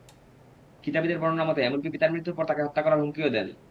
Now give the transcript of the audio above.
কিতাবীদের বর্ণনা মতে, এমনকি পিতার মৃত্যুর পর তাকে হত্যা করার হুমকিও দেন।